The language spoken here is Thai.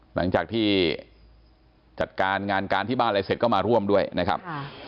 หลังจากที่จัดการงานการที่บ้านอะไรเสร็จก็มาร่วมด้วยนะครับ